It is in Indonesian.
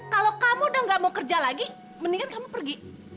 kalau kamu udah gak mau kerja lagi mendingan kamu pergi